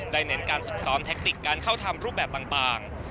เน้นการฝึกซ้อมแทคติกการเข้าทำรูปแบบต่าง